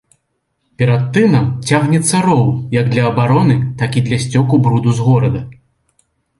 Перад тынам цягнецца роў як для абароны, так і для сцёку бруду з горада.